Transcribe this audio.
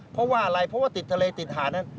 เพราะว่าอะไรเพราะว่าติดทะเลติดหานั้น